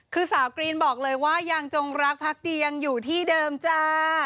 คือสาวกรีนบอกเลยว่ายังจงรักพักดียังอยู่ที่เดิมจ้า